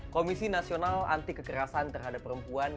komisi nasional anti kekerasan terhadap perempuan